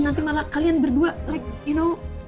nanti malah kalian berdua like you know